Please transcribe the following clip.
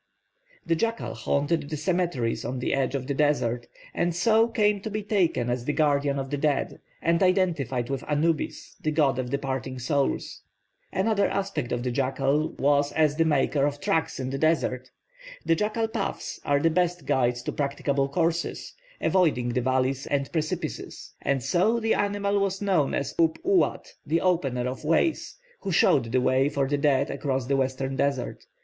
The jackal haunted the cemeteries on the edge of the desert, and so came to be taken as the guardian of the dead, and identified with Anubis, the god of departing souls. Another aspect of the jackal was as the maker of tracks in the desert; the jackal paths are the best guides to practicable courses, avoiding the valleys and precipices, and so the animal was known as Up uat, 'the opener of ways,' who showed the way for the dead across the western desert.